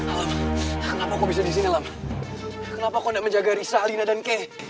alam kenapa kau bisa disini kenapa kau gak menjaga risa alina dan kei